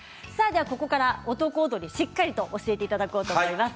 ここから男踊りしっかりと教えていただこうと思います。